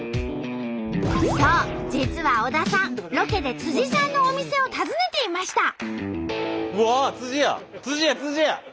実は小田さんロケでさんのお店を訪ねていました。